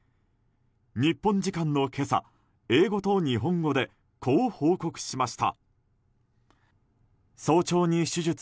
日本時間の今朝、英語と日本語でこう報告しました。